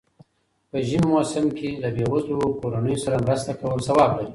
په ژمی موسم کی له بېوزلو کورنيو سره مرسته کول ثواب لري.